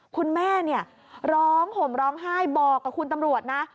คุณแม่เนี่ยร้องห่มร้องไห้บอกกับคุณตำรวจนะ